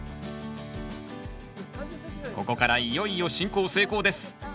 ここからいよいよ深耕精耕です。